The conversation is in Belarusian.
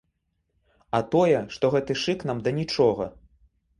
А тое, што гэты шык нам да нічога.